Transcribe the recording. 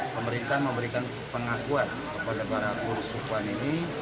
pemerintah memberikan pengakuan kepada para guru sukuan ini